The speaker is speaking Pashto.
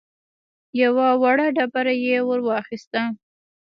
يوه وړه ډبره يې ور واخيسته.